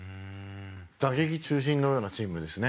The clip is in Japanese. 打撃中心のようなチームですね。